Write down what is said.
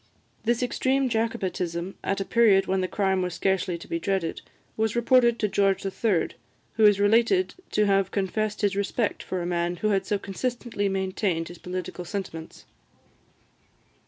This extreme Jacobitism at a period when the crime was scarcely to be dreaded, was reported to George III., who is related to have confessed his respect for a man who had so consistently maintained his political sentiments.